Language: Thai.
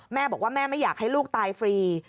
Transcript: แม่บอกว่าแม่ไม่อยากให้ลูกตายฟรี